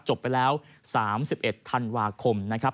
จบไปแล้ว๓๑ธันวาคมนะครับ